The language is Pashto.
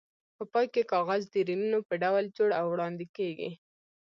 په پای کې کاغذ د ریلونو په ډول جوړ او وړاندې کېږي.